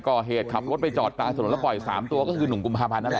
ก่อเหตุขับรถไปจอดกลางถนนแล้วปล่อย๓ตัวก็คือ๑กุมภาพันธ์นั่นแหละ